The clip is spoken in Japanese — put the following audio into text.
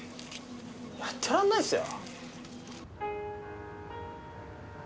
やってらんないっすよ。